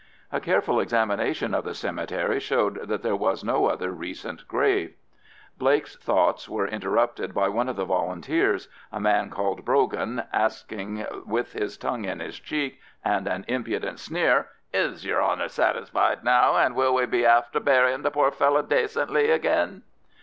A careful examination of the cemetery showed that there was no other recent grave. Blake's thoughts were interrupted by one of the Volunteers, a man called Brogan, asking with his tongue in his cheek and an impudent sneer: "Is yer honour satisfied now, and will we be after burying this poor fellow decently agin?"